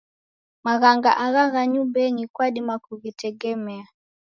Maghanga agha gha nyumbenyi kwadima kughitegemea.